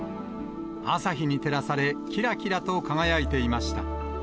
朝日に照らされ、きらきらと輝いていました。